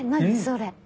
それ。